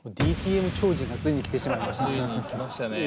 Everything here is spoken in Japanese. ＤＴＭ超人がついに来てしまいましたね。